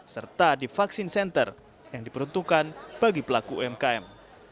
serta di vaksin center yang diperuntukkan bagi pelaku umkm